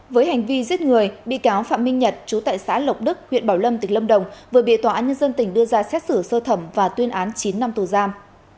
với hành vi giết người bị cáo phạm minh nhật chú tại xã lộc đức huyện bảo lâm tỉnh lâm đồng vừa bị tòa án nhân dân tỉnh đưa ra xét xử sơ thẩm và tuyên án chín năm tù giam